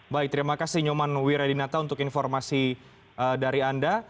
baik terima kasih nyoman wiradinata untuk informasi dari anda